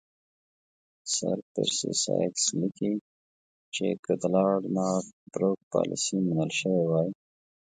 سر پرسي سایکس لیکي چې که د لارډ نارت بروک پالیسي منل شوې وای.